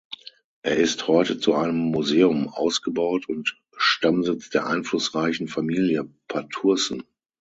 Er ist heute zu einem Museum ausgebaut und Stammsitz der einflussreichen Familie Patursson.